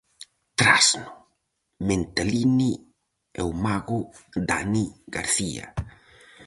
Trasno, mentalini e o mago Dani García.